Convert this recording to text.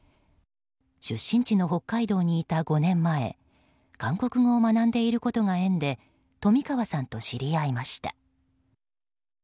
出身地の北海道にいた５年前韓国語を学んでいることが縁で冨川さんと知り合いました。